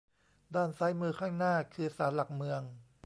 ด้านซ้ายมือข้างหน้าคือศาลหลักเมือง